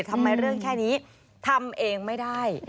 ทำไมเรื่องแค่นี้ทำเองไม่ได้